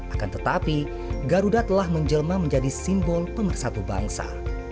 akan tetapi garuda telah menjelma menjadi simbol pemersatu bangsa